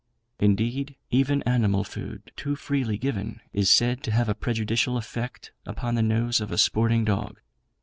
Indeed, even animal food too freely given is said to have a prejudicial effect upon the nose of a sporting dog.